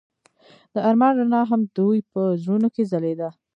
د آرمان رڼا هم د دوی په زړونو کې ځلېده.